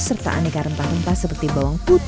serta aneka rempah rempah seperti bawang merah krim dan krim